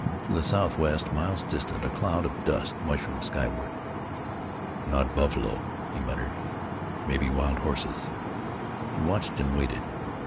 To the southwest, miles distant, a cloud of dust mushroomed skyward. "Not buffalo," he muttered, "maybe wild horses." He watched and waited.